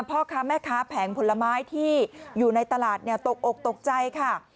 เพราะค้าแผงผลไม้ที่อยู่ในตลาดตกกตกใจค่ะ